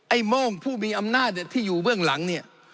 ไอ้โมงผู้มีอำนาจเนี่ยที่อยู่เวืองหลังเนี่ย